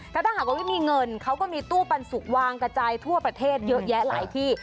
ถ้าหากว่าไม่มีเงินเขาก็มีตู้ปันสุกวางกระจายทั่วประเทศเยอะแยะหลายที่